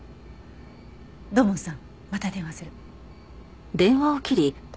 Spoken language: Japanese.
土門さんまた電話する。